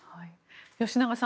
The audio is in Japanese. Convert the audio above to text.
吉永さん